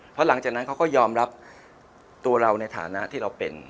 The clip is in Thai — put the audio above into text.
เพราะหลังจากนั้นเขาก็ยอมรับตัวเราในฐานะที่เราเป็น